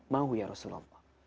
mau ya rasulullah